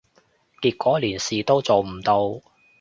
結果連事都做唔到